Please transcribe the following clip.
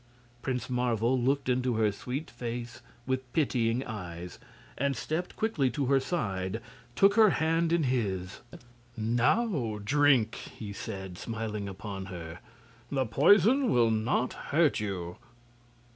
Prince Marvel looked into her sweet face with pitying eyes, and stepping quickly to her side, took her hand in his. "Now drink!" he said, smiling upon her; "the poison will not hurt you."